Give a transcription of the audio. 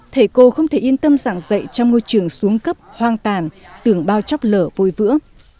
thầy cô không thể yên tâm giảng dạy trong ngôi trường xuống cấp hoang tàn tưởng bao chóc lở vôi vữa